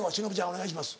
お願いします。